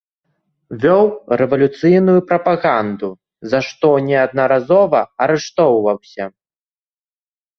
Вёў рэвалюцыйную прапаганду, за што неаднаразова арыштоўваўся.